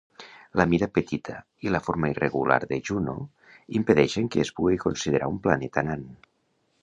La mida petita i la forma irregular de Juno impedeixen que es pugui considerar un planeta nan.